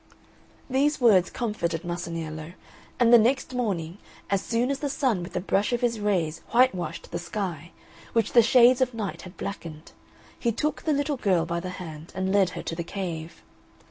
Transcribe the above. These words comforted Masaniello; and the next morning, as soon as the Sun with the brush of his rays whitewashed the Sky, which the shades of night had blackened, he took the little girl by the hand, and led her to the cave.